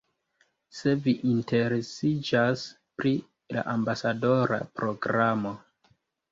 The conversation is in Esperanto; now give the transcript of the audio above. Se vi interesiĝas pri la ambasadora programo